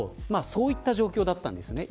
そういった状況だったんです。